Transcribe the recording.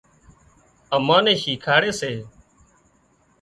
امان نين شيکاڙِ سي